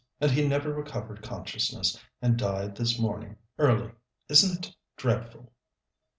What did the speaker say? And he never recovered consciousness, and died this morning early. Isn't it dreadful?"